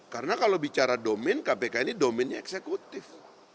karena kalau bicara domin kpk ini dominnya eksekutif